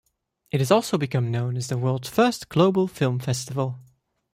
It has also become known as the world's first global film festival.